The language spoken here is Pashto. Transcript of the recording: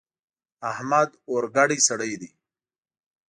احمد اورګډی سړی دی.